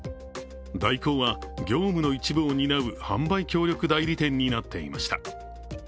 大広は、業務の一部を担う販売協力代理店になっていました。